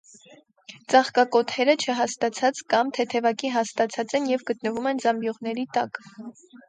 Ծաղկակոթերը չհաստացած կամ թեթևակի հաստացած են և գտնվում են զամբյուղների տակ։